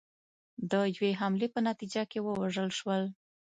د یوې حملې په نتیجه کې ووژل شول.